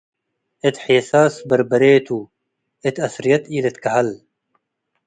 እት ሔሳስ በርበሬቱ - እት አስርየት ኢልትከሀል